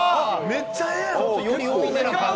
めっちゃええ音。